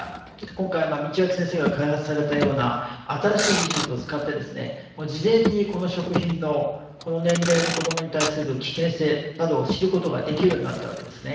今回道脇先生が開発されたような新しい技術を使って事前にこの食品のこの年齢の子どもに対する危険性などを知ることができるようになったわけですね。